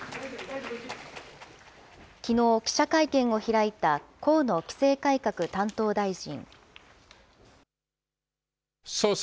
きのう、記者会見を開いた河野規制改革担当大臣。